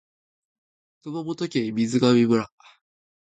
熊本県水上村